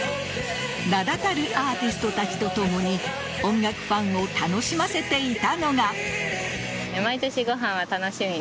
名だたるアーティストたちとともに音楽ファンを楽しませていたのが。